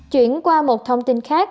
chuyển qua một thông tin khác